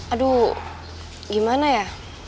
aduh gimana ya